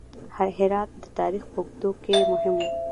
هرات د تاریخ په اوږدو کې مهم و